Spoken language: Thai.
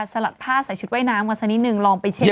สลัดผ้าใส่ชุดว่ายน้ำกันสักนิดนึงลองไปเช็ค